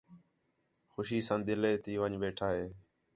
خوشی ساں دِلّہ تی وَن٘ڄ ویٹھا ہِے